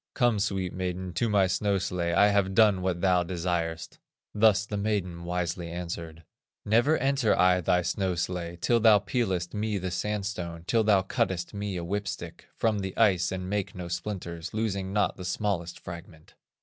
"Come, sweet maiden, to my snow sledge, I have done what thou desirest." Thus the maiden wisely answered: "Never enter I thy snow sledge, Till thou peelest me the sandstone, Till thou cuttest me a whip stick From the ice, and make no splinters, Losing not the smallest fragment."